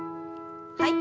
はい。